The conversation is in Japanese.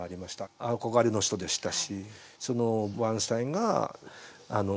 憧れの人でしたし。